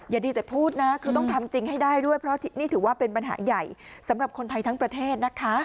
อย่าดีแต่พูดนะคือต้องทำจริงให้ได้ด้วยเพราะนี่ถือว่าเป็นปัญหาใหญ่สำหรับคนไทยทั้งประเทศนะคะ